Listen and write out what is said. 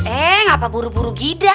eh ngapa buru buru gida